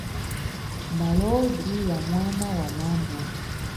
Malowozi ya mwana wa mambo.